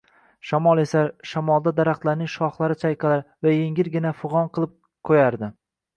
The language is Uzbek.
Shamol esar, shamolda daraxtlarning shoxlari chayqalar va yengilgina fig'on qilib ko'yardi.